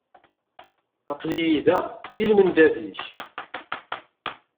Aql-iyi da i lmendad-ik.